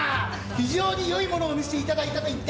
非常に良いものを見せていただいたと言って。